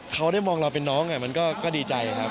เขาได้มองเราเป็นน้องมันก็ดีใจครับ